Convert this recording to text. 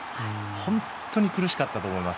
本当に苦しかったと思います。